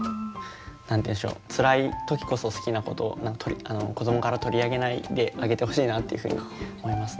何て言うんでしょうつらい時こそ好きなことを子どもから取り上げないであげてほしいなっていうふうに思いますね。